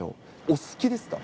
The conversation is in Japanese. お好きですか？